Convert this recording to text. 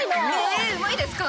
えウマいですか？